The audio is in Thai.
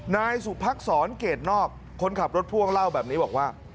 นายสุภักษรเกรดนอกคนขับรถพ่วงเล่าแบบนี้บอกว่า